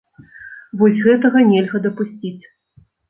Вось гэтага нельга дапусціць.